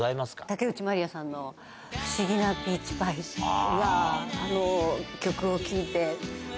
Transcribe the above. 竹内まりやさんの『不思議なピーチパイ』はあの曲を聴いて。